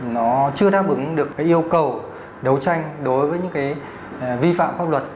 nó chưa đáp ứng được yêu cầu đấu tranh đối với những vi phạm pháp luật